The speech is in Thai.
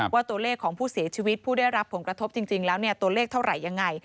ว่าตัวเลขของผู้เสียชีวิตผู้ได้รับผลกระทบจริงแล้วตัวเลขเท่าไหร่ยังไง